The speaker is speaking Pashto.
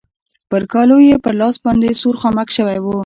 پر کالو يې په لاس باندې سور خامک شوی و.